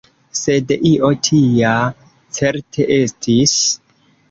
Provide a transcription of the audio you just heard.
Sed io tia certe estis.